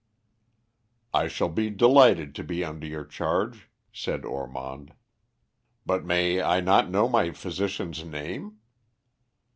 "I shall be delighted to be under your charge," said Ormond, "but may I not know my physician's name?"